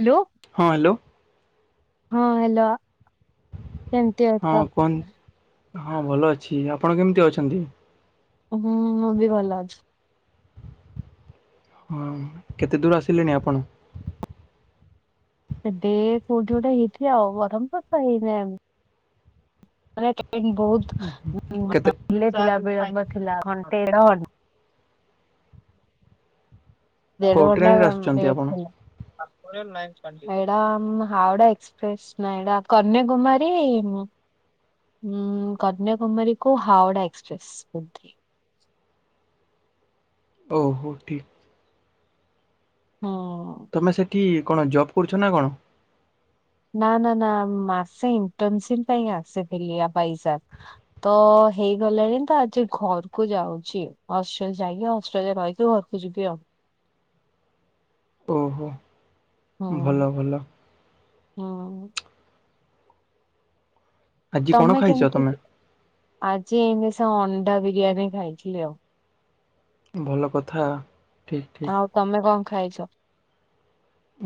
Hello ହଁ hello ହଁ hello କେମିତି ହଁ ଅଛ? କୁହ ହଁ ଭଲ ଅଛି ଆପଣ କେମିତି ଅଛନ୍ତି? ହୁଁଁ ବି ଭଲ ଅଛି। ହଁ କେତେ ଦୂର ଆସିଲେଣି ଆପଣ? ଏବେ କୋଉଠି ଗୋଟେ ହେଇଥିବି ଆଉ ବରମ ପାଖ ହେଇନି ଆମ୍ ମେ ବହୁତ କେତେ ବେଳେ ବେଳେ ଥିଲା ଘଟେ ଦେଢ ଘଣ୍ଟା କୋଉ ଦେଢଘଣ୍ଟା ଟ୍ରେନରେ ଆସୁଛନ୍ତି ଆପଣ? ବେକ୍ ଥିଲା। ଏଇଡ଼ା ହଉଡା ଏକ୍ସପ୍ରେସ୍ ନାଁ କନ୍ୟାକୁମାରୀ ହଁ କନ୍ୟାକୁମାରୀକୁୁ ହାୱଡା ଏକ୍ସପ୍ରେସ୍ ବୋଧେ ଓ ହୋ ଠିକ। ହଁ। ତମେ ସେଠି କଣ ଜବ୍ କରୁଛ ନା କଣ? ନା ନା ନା ଆସେ ଇଣ୍ଟନସିପ ପାଇଁ ଆସେ [unintelligible] ପାଇସା ତ ହେଇଗଲାଣି ତ ଆଜି ଘରକୁ ଯାଉଛି। ହଷ୍ଟେଲ ଯାଇକି ହଷ୍ଟେଲରେ ରହିକି ଘରକୁ ଯିବି ଆଉ। ଓହୋ ହୁଁ ଭଲ ଭଲ। ହୁଁ। ଆଜି କଣ ତମେ ଖାଇଛ କେମିତି ତମେ? ଆଜି? [unintelligible] ଣ୍ଡା ବିରିୟାନୀ ଖାଇଥିଲି ଆଉ। ଭଲ କଥା । ଆଉ ତମେ କଣ ଖାଇଚ?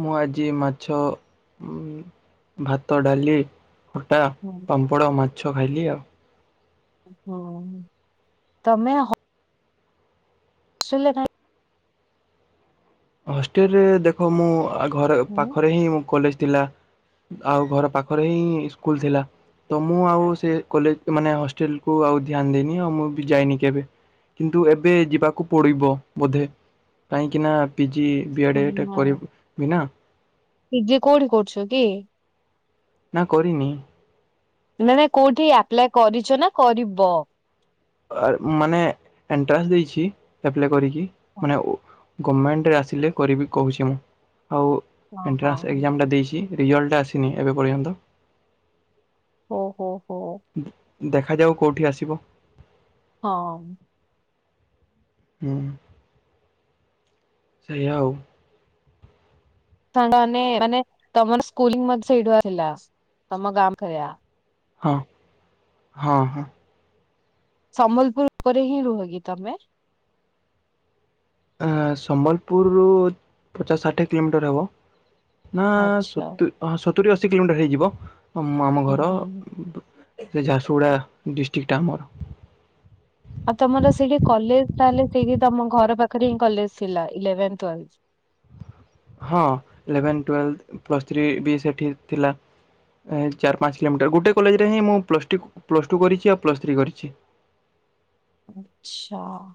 ମୁଁ ଆଜି ମାଛ ଉଁ ଭାତ ଡାଲି ଖଟା, ହୁଁ ପାମ୍ପଡ଼, ମାଛ, ଖାଇଲି ଆଉ। ହୁଁ ତମେ ହ ହଷ୍ଟେଲ ହଷ୍ଟେଲରେ ଦେଖ ମୁଁ ଆ ଘର ହୁଁ ପାଖରେ ହିଁ ମୋ କଲେଜ ଥିଲା। ଆଉ ଘର ପାଖରେ ହିଁ ସ୍କୁଲ ଥିଲା। ତ ମୁଁ ଆଉ ସେ କଲେଜ ମାନେ ହଷ୍ଟେଲ କୁ ଆଉ ଧ୍ୟାନ ଦେଇନି। ଆଉ ମୁଁ ବି ଯାଇନି କେବେ। କିନ୍ତୁ ଏବେ ଯିବାକୁ ପଡ଼ିବ ବୋଧେ କାହିଁକି ନା କି ବିଆଡେ ଟା କରିବି ବିନା। [unintelligible] କୋଉଁଠି କରୁଛ କି? ନା କରିନି । ନାଇ ନାଇଁ କୋଉଠି ଆପ୍ଲାଏ କରିଛ ନା କରିବ? ମାନେ ଏଣ୍ଟ୍ରାନ୍ସ ଦେଇଛି ଆପ୍ଲାଏ କରିକି ହଁ ମାନେ ଗଭର୍ଣ୍ଣମେଣ୍ଟରେ ଆସିଲେ କରିବି କହୁଛି ମୁଁ, ଆଉ ହଁ ଏଣ୍ଟ୍ରାନ୍ସ ଏକ୍ଜାମଟା ଦେଇଛି ରିଅଲ୍ଟଟା ଆସିନି ଏବେ ପର୍ଯ୍ୟନ୍ତ। ଓ ହୋ ହୋ । ଦେ ଦେଖାଯାଉ କୋଉଠି ଆସିବ? ହମ । ହୁଁ, ସେଇଆ ଆଉ। [unintelligible] ମାନେ ତମର ସ୍କୁଲିଙ୍ଗ ମଧ୍ୟ ସେଇଠୁ ଆ ଥିଲା ତମ ଗାଁ ଫଆ । ହଁ ହଁ ହଁ। ସମ୍ବଲପୁର ପରେରେ ହିଁ ରୁହ କି ତମେ? ସମ୍ବଲପୁରରୁ ପଚାଶ, ଷାଠିଏ, କିଲୋମିଟର ହେବ। ନା ଆଚ୍ଛା। ସତୁ ହଁ ସତୁରି ଅସି କିଲୋମିଟର ହେଇଯିବ ଆମ ଉୁଁ ଘର ହୁଁ ହୁଁ। । ସେ ଝାରସୁଗୁଡା ଡିଷ୍ଟ୍ରିକ୍ଟଟା ଆମର। ଆଉ ତମର ସେଇଠି କଲେଜ ତାହେଲେ ସେଠି ତମ ଘର ପାଖରେ ହି କଲେଜ ଥିଲା ଇଲେଭେନ ଟୁଏଲଭ? [inaudible] ହଁ ଇଲେଭେନ, ଟୁଏଲଭ, ପ୍ଲସ୍ ଥ୍ରୀ, ବି ସେଠି ଥିଲା । ଚାର ପାଞ୍ଚ କିଲୋମିଟର ଗୋଟେ କଲେଜରେ ହିଁ ମୁଁ ପ୍ଲସ୍ ଟୁ, ପ୍ଲସ୍ ଟୁ କରିଛି ଆଉ ପ୍ଲସ୍ ଥ୍ରୀ କରିଛି । ଆଚ୍ଛା ।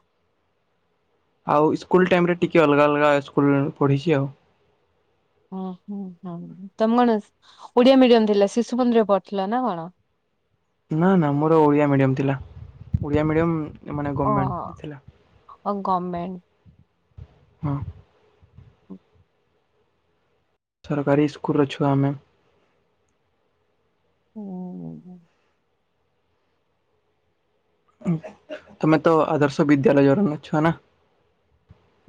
ଆଉ ଇସ୍କୁଲ ଟାଇମରେ ଟିକେ ଅଲଗା ଅଲଗା ସ୍କୁଲ ପଢିଛି ଆଉ। ଓଁ ହୁଁ ହଁ ତମେ କଣ ଓଡିଆ ମିଡିୟମ ଥିଲା ଶିଶୁ ମନ୍ଦିରରେ ପଢୁଥିଲ ନା କଣ? [inaudible] ନା, ନା, ମୋର ଓଡ଼ିଆ ମିଡିୟମ ଥିଲା। ଓଡ଼ିଆ ମିଡିୟମ ଏମାନେ ଗଭର୍ଣ୍ଣମେଣ୍ଟ ଥିଲା। କମେଣ୍ଟ ହଁ। ସରକାରୀ ଇସ୍କୁରର ଛୁଆ ଆମେ। ହୁଁ। ତମେ ତ ଆଦର୍ଶ ବିଦ୍ୟାଳୟ ଅଛନା।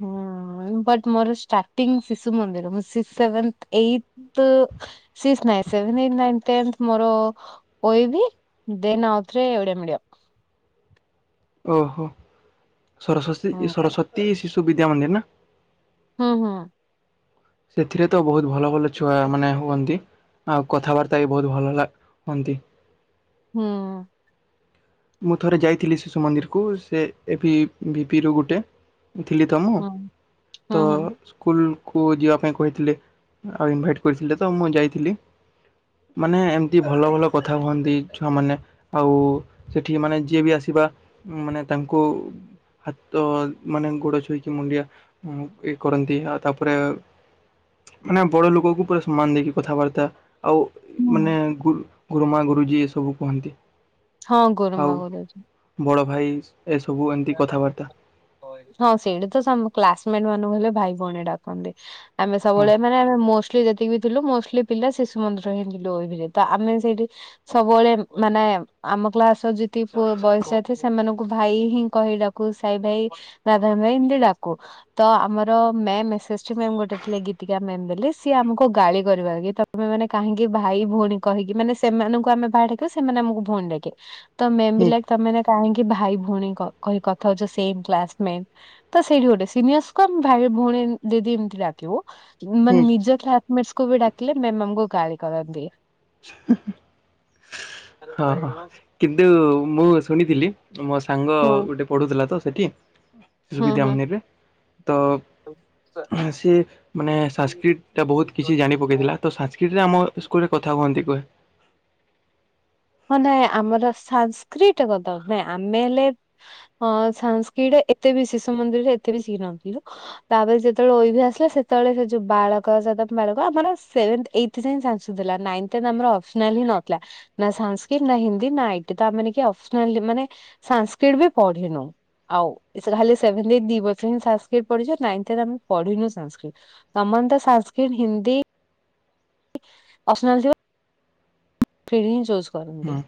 ହଁ [unintelligible] ମୋରଟି ଶି ମନ୍ଦିର [unintelligible] ମୋରି ଦେ ଆଉଥରେ ଏଆ ମି [unintelligible] [inaudible] ଓହୋ ସରସ୍ଵତୀ, ହୁଁ ସରସ୍ଵତୀ ଶିଶୁ ବିଦ୍ୟା ମନ୍ଦିର ନା? ହୁଁ ହୁଁ ସେଥିରେ ତ ବହୁତ ଭଲ ଭଲ ଛୁଆ ମାନେ ହୁଅନ୍ତି ଆଉ କଥାବାର୍ତ୍ତା ବି ବହୁତ ଭଲ ଲା ହୁଅନ୍ତି । ହୁଁ ମୁଁ ଥରେ ଯାଇଥିଲି ଶିଶୁ ମନ୍ଦିରକୁ, ସେ ଏ ଭିପିରୁ ଗୋଟେ ଥିଲି ତ ମୁଁ ହୁଁ। ହୁଁ ତ ହୁଁ ସ୍କୁଲ କୁ ଯିବା ପାଇଁ କହିଥିଲେ ଆଉ ଇନଭାଇଟ୍ କରିଥିଲେ ତ, ମୁଁ ଯାଇଥିଲି । ମାନେ ଏମତି ଭଲ ଭଲ କଥା ହୁଅନ୍ତି ଛୁଆ ମାନେ, ଆଉ ସେଠି ମାନେ ଯିଏ ବି ଆସିବା ମାନେ ତାଙ୍କୁ ହାତ ମାନେ ଗୋଡ ଛୁଇଁକି ମୁଣ୍ଡିଆ ଇଏ କରନ୍ତି, ଆଉ ତାପରେ ମାନେ ବଡ ଲୋକକୁ ପୁରା ସମାନ ଦେଇକି କଥାବାର୍ତ୍ତା ଆଉ ମାନେ ଗୁରୁମା, ଗୁରୁଜୀ ଏ ସବୁ କୁହନ୍ତି । ହଁ ଆଉ ଗୋରୁମାହୁଲ ଅଛି। ବଡ ଭାଇ ଏସବୁ ଏମିତି କଥାବାର୍ତ୍ତା ହଁ ସେିଡିୁ ତ ସ କ୍ଲାସ [unintelligible] ଲେ ଭାଇଭଉଣୀ ଡାକନ୍ତି, ଆମେ ହଁ ସବୁବେଳେ ମାନେ [unintelligible] ଥି ଯେତିକି ବି ଥିଲୁ ମୋଷ୍ଟ୍ ଲି ପିଲା ଶିଶୁ ମନ୍ଦିର ହିଁ ଥିଲୁ ଏ ପିଲେ ତ ଆମେ ସେଇଠି ସବୁବେଳେ ମାନେ ଆମ କ୍ଲାସର ଯେତିକି ପୁଅ ବୟସିଆ ଥିବେ ସେମାନଙ୍କୁ ଭାଇ ହିଁ କହି ଡାକୁ ସାଇ ଭାଇ ରାଧା ଭାଇ ଏମିତି ଡାକୁ ତ ଆମର ମେ ମେସେସ୍ ଜି ମ୍ୟାମ୍ ଗୋଟେ ଥିଲେ ଗୀତିକା ମ୍ୟାମ୍ ବେଲି ସିଏ ଆମକୁ ଗାଳି କରିବେ ଆଗେ ତମେମାନେ କାହିଁକି ଭାଇ ଭୋଉଣୀ କହିକି ମାନେ ସେ ମାନଙ୍କୁ ଆମେ ଭାଇ ଡକିବୁ ସେମାନେ ଆମକୁ ଭୋଉଣୀ ଡାକିବେ ତ ମେମ୍ ହୁଁ ବିଲା ତମେମାନେ କାହିଁକି ଭାଇ ଭଉଣୀ କ କହି କଥା ହୋଉଛ ସେମ୍ କ୍ଲାସମେଟ୍ ତ ସେଇଠି ଗୋଟେ ସିନିୟସ୍ କୁ ଆମେ ଭାଇ ଭୋଉଣୀ ଦିଦି ଏମିତି ଡାକି ବୁ ହୁଁ ମାନେ ନିଜ କ୍ଲାସ୍ ମେଟସ୍ କୁ ବି ଡାକିଲେ ମ୍ୟାମ୍ ଆମକୁ ଗାଳି କରନ୍ତି। [unintelligible] ହଁ ହଁ କିନ୍ତୁ ମୁଁ ଶୁଣିଥିଲି ମୋ ସାଙ୍ଗ ହୁଁ ଗୋଟେ ପଢୁଥିଲା ତ ସେଠି ଯୁ ହୁଁ ବିଦ୍ୟା ହୁଁ। ମୁନିରେ ତ ସିଏ ମାନେ ସାଂସ୍କ୍ରିଟ୍ ଟା ବହୁତ୍ କିଛି ଜାଣି ପକେଇଥିଲା ତ ସାଂସ୍କ୍ରିଟ୍ ଆମ ସ୍କୁଲରେ କଥା ହୁଅନ୍ତି। ବହେ। ହଁ ନାଇଁ ଆମର ସାଂସ୍କ୍ରିଟ୍ ଗଦ ନାଇଁ ଆମେ ହେଲେ ଅ ସାଂସ୍କ୍ରିଟ୍ ରେ ଏତେ ବି ଶିଶୁ ମନ୍ଦିରରେ ଏତେ ବି ଶିଖୀ ନଥିଲୁ ତାପରେ ଯେତେବେଳେ ଆସିଲା ଓ ଏ ଭି ସେତେବେଳେ ସେ ଯୋଉ ବାଳକ ଜେଦପ୍ ବାଳକ ଆମର ସେଭେନ୍ଥ ଏଇଥ୍ ଯାଏଁ ଝାଞ୍ଚୁ ଥିଲା ନାଇନ୍ ଥ୍ ରେ ତ ଆମର ଅପ୍ସ୍ ନାଲ୍ ହିଁ ନଥିଲା। ନା ସାଂସ୍କ୍ରିଟ୍ ନା ହିନ୍ଦୀ ନା ଆଇଟି ତ ଆମେମାନେ କି ଅପ୍ସନାଲି ମାନେ ସାଂସ୍କ୍ରିଟ୍ ବି ପଢିନୁ। ଆଉ ଏସେ ଯାହାଲେ ସେଭେନ୍ଦି ଦି ବର୍ଷ ହିଁ ସାଂସ୍କ୍ରିଟ୍ ପଢ଼ିଚୁ ନାଇନ୍ ଥି ରେ ଆମେ ପଢିନୁ ସାଂସ୍କ୍ରିଟ୍ ତମ ଅନ୍ତ ସାଂସ୍କ୍ରିଟ୍ ହିନ୍ଦୀ ଅପ୍ସନାଲ ଥିବ। ଫ୍ରିରେ ହିଁ ଜୋଜ୍ କରନ୍ତି। ହୁଁ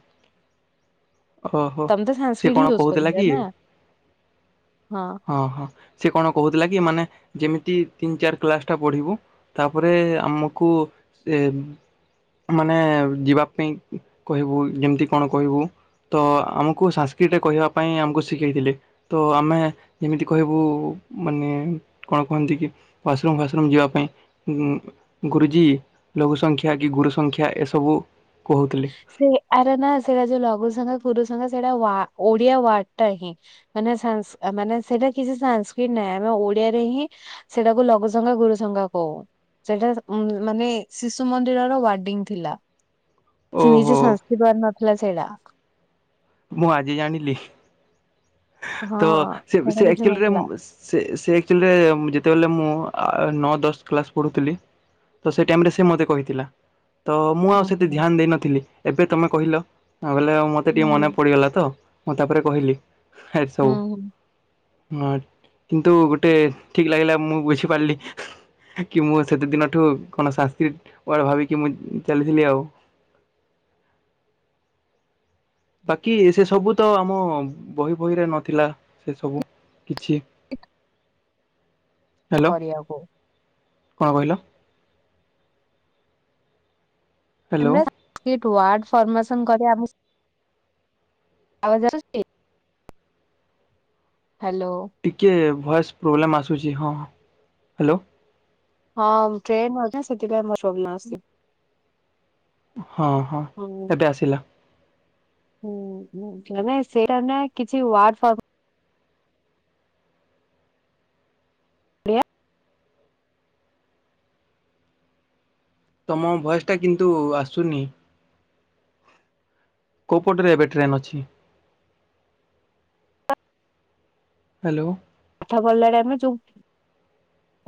ଓହୋ ତମେ ତ ସେ ସାଂସ୍କ୍ରିଟ କଣ ହିଁ ଚୁଜ୍ କହୁଥିଲା କରିଛ କି? ନା ହଁ ହଁ ସେ କଣ କହୁଥିଲା କି ମାନେ ଯେମିତି ତିନ୍ ଚାରି କ୍ଲାସ୍ ଟା ବଢ଼ିବୁ ତାପରେ ଆମକୁ ସେ ମାନେ ଯିବା ପାଇଁ କହିବୁ ଯେମିତି କଣ କହିବୁ। ତ ଆମକୁ ସାଂସ୍କ୍ରିଟ୍ ରେ କହିବା ପାଇଁ ଆମକୁ ଶିଖେଇଥିଲେ ତ ଆମେ ଏମିତି କହିବୁ ମାନେ କଣ କୁହନ୍ତି କି ୱାସ୍ ରୁମ୍ ଫ୍ୱାସ୍ ରୁମ୍ ଯିବା ପାଇଁ ଉମ୍ ଗୁରୁଜୀ ଲଘୁ ସଂଖ୍ୟା କି ଗୁରୁ ସଂଖ୍ୟା ଏସବୁ କହୁଥିଲେ। ସେ ଆରେ ନା ସେଇରା ଯୋଉ ଲଘୁ ସଂଖା ଗୁରୁ ସଂଖା ସେଇଟା ୱା ଓଡିଆ ୱାର୍ଡ ଟା ହିଁ ମାନେ ସାଂସ୍ ମାନେ ସେଇଟା କିଛି ସାଂସ୍କ୍ରିଟ୍ ନାହିଁ ଆମେ ଓଡିଆରେ ହିଁ ସେଇଟାକୁ ଲଘୁ ସଂଖା ଗୁରୁ ସଂଖା କଉ ସେଟା ଉମ୍ ମାନେ ଶିଶୁ ମନ୍ଦିରର ୱାର୍ଡିଙ୍ଗ ଥିଲା। ସେ ନିଜେ ଓହୋ ସାଂସ୍କିବାର୍ ନଥିଲା ସେଇଟା। ମୁଁ ଆଜି ଜାଣିଲି। ହଁ ତ ସେଇଟା ସେ-ସେ କିଛି ଆକ୍ଚୁ ଲିରେ ନଥିଲା ମୁ ସେ-ସେ ଆକ୍ଚୁ ଲିରେ ଯେତେବେଲେ ମୁଁ ନଅ ଦଶ କ୍ଲାସ୍ ପଢ଼ୁଥିଲି ତ ସେ ଟାଇମ୍ ରେ ସେ ମତେ କହିଥିଲା। ତ ମୁଁ ଆଉ ହୁଁ ସେତେ ହୁଁ। ଧ୍ୟାନ୍ ଦେଇନଥିଲି ଏବେ ତମେ କହିଲ ବଲେ ମତେ ହୁଁ ଟିକେ ମନେ ପଡ଼ିଗଲା ତ ମୁଁ ତାପରେ କହିଲି। ଏ ହଁ ସବୁ ହଁ। ହଁ କିନ୍ତୁ ଗୋଟେ ଠିକ୍ ଲାଗିଲା ମୁଁ ବୁଝିପାରିଲି। କି ମୁଁ ସେତେ ଦିନଠୁ କଣ ସାଂସ୍କ୍ରିଟ୍ ୱାର୍ଡ଼ ଭାବିକି ମୁଁ ଚାଲିଥିଲି ଆଉ। [inaudible] ବାକି ସେ ସବୁ ତ ଆମ ବହି ବହିରେ ନଥିଲା ସେ ସବୁ। କିଛି। ଆ ହ୍ୟାଲୋ କରିଆକୁ। କଣ କହିଲ? ହ୍ୟାଲୋ ଏମାନେ ସାଂସ୍କ୍ରିଟ୍ ୱାର୍ଡ଼ ଫର୍ମସନ୍ କରିଆ ଆମ୍ ଆବାଜ୍ ଆସୁଚି? ଟିକେ ଭଏସ୍ ପ୍ରୋବ୍ଲେମ୍ ଆସୁଛି ହଁ ହ୍ୟାଲୋ। ହଁ ଟ୍ରେନ୍ [unintelligible] ସେଥିପାଇଁ ଭଏସ୍ ପ୍ରୋବ୍ଲେମ୍ ଆସୁଛି। ହଁ ହଁ ଏବେ ଆସିଲା। ହଁ [unintelligible] ସେଇଟା ନା କିଛି ୱାର୍ଡ ଫାର୍ଡ [unintelligible] ତମ ବୟସଟା କିନ୍ତୁ ଆସୁନି। କୋଉପଟରେ ଏବେ ଟ୍ରେନ୍ ଅଛି। ହ୍ୟାଲୋ। [unintelligible] ଯୋଉ।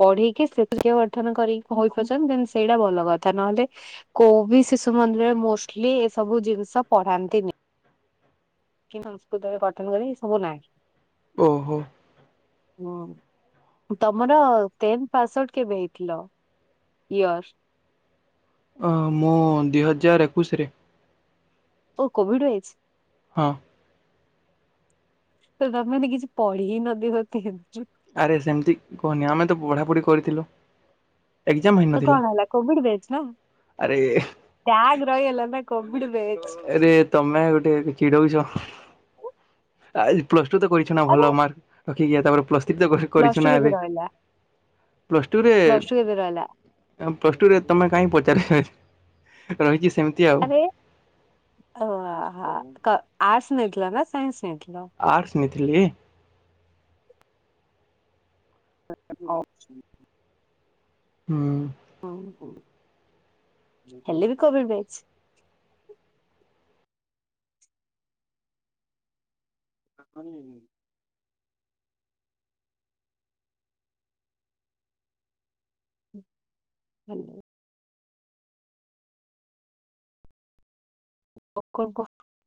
ପଢକି ସେ [unintelligible] ଗଠନ କରି ହୋଇପାରୁଛନ୍ତି ଦେନ ସେଇଟା ଭଲ କଥା ନହେଲେ କୋଉ ବି ଶିଶୁ ମନ୍ଦିରରେ ମୋଷ୍ଟଲି ଏସବୁ ଜିନିଷ ପଢାନ୍ତିନି। କି ସଂସ୍କୃତରେ ପାଠନ କରେ ଏ ସବୁ ନାହିଁ। ଓହୋ। ହଁ ତମରେ ଟେନ ପାସ ଆଉଟ କେବେ ହେଇଥିଲ। ଇୟର। ଅ ମୁଁ ଦିଇ ହଜାର ଏକୋଇଶି ରେ ଓ କୋଭିଡ ହୋଇଛି। ହଁ। ତ ତମେ କିଛି ପଢିହି ନଥିବ। [unintelligible] ଆରେ ସେମିତି କହନି ଆମେ ତ ପଢାପଢି କରିଥିଲୁ। ଏକ୍ଜାମ ଏ ତ ହେଇନଥିଲା କଣ ହେଲା କୋଭିିଡ ବେଚ ନା ଆରେ ବ୍ୟାଗ ରହିଲା ନା। Covid batch. ରେ ତମେ ଗୋଟେ ଚିଡଉଛ ଆଜି ପ୍ଲସ [unintelligible] କରିଛୁନା ଆରେ ଭଲ ମାର୍କ ରଖିକି ତାପରେ ପ୍ଲସ୍ ଥ୍ରୀ ତ ପ୍ଲସ କ-କରିଛୁ ଟୁ ନା କେବେ ଏବେ। ରହିଲା ପ୍ଲସ୍ ଟୁରେ ପ୍ଲସ ଟୁ କେବେ ରହିଲା ପ୍ଲସ୍ ଟୁରେ ତମେ କାହିଁକ ପଚାର ରହିଛି ସେମିତି ଆଉ ଓହୋ କା ଆର୍ଟସ୍ ନେଇଥିଲା ନା ସାଇନ୍ସ ନେଇଥିଲା? ଆର୍ସ ନେଇଥିଲି। [inaudible] ହଁ। ହଁ ହେଲେ ବି କୋଭିଡ ବ୍ୟା ହୁଁ। ଧନ୍ୟବାଦ। [inaudible]